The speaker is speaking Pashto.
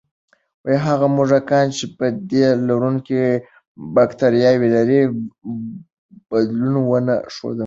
هغه موږکان چې د تیلرونکي بکتریاوې لري، بدلون ونه ښود.